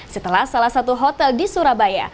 setelah salah satu hotel di surabaya